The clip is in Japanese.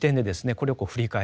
これを振り返る。